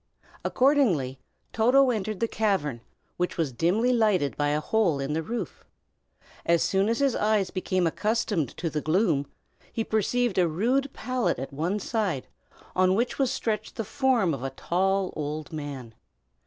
Accordingly Toto entered the cavern, which was dimly lighted by a hole in the roof. As soon as his eyes became accustomed to the gloom, he perceived a rude pallet at one side, on which was stretched the form of a tall old man.